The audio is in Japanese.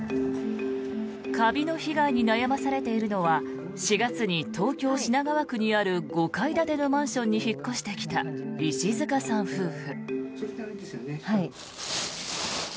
カビの被害に悩まされているのは４月に東京・品川区にある５階建てのマンションに引っ越してきた石塚さん夫婦。